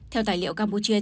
theo tài liệu campuchia